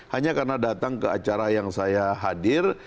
hanya karena datang ke acara yang saya hadir